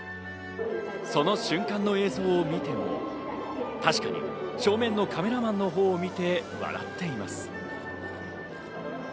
その瞬間の映像を見てみると、確かに正面のカメラマンのほうを見て笑っています。